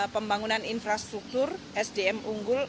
pembangunan infrastruktur sdm unggul